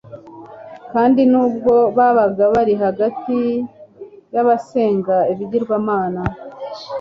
kandi nubwo babaga bari hagati yabasenga ibigirwamana